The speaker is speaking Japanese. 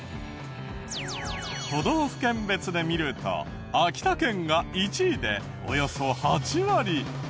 都道府県別で見ると秋田県が１位でおよそ８割。